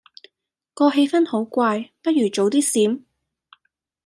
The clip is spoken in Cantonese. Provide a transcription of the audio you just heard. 個氣氛好怪，不如早啲閃